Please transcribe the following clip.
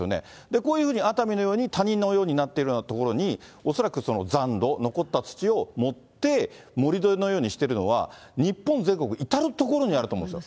こういうふうに熱海のように、谷のようになっている所に、恐らくその残土、残った土を盛って、盛り土のようにしてるのは、日本全国至る所にあると思うんですよ。